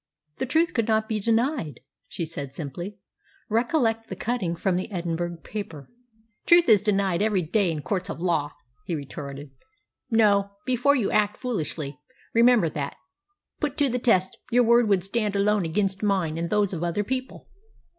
"The truth could not be denied," she said simply. "Recollect the cutting from the Edinburgh paper." "Truth is denied every day in courts of law," he retorted. "No. Before you act foolishly, remember that, put to the test, your word would stand alone against mine and those of other people.